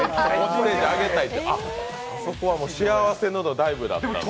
あそこは幸せへのダイブだったんですね